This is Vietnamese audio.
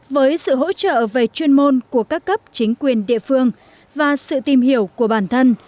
với sự hỗ trợ về chuyên môn của các cấp chính quyền địa phương và sự tìm hiểu của bản thân